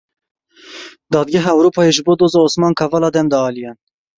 Dadgeha Ewropayê ji bo Doza Osman Kavala dem da aliyan.